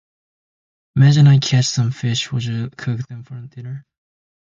Imagine I catch some fish, would you cook them for dinner?